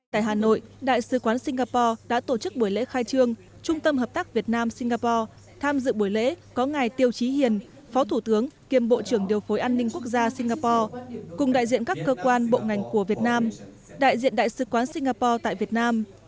tại hà nội đại sứ quán singapore đã tổ chức buổi lễ khai trương trung tâm hợp tác việt nam singapore tham dự buổi lễ có ngài tiêu trí hiền phó thủ tướng kiêm bộ trưởng điều phối an ninh quốc gia singapore cùng đại diện các cơ quan bộ ngành của việt nam đại diện đại sứ quán singapore tại việt nam